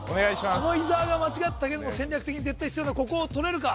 あの伊沢が間違ったけども戦略的に絶対必要なここをとれるか？